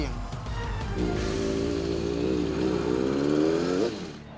kayaknya dia pelan sendiri